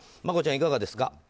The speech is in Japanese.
マコちゃん、いかがですか。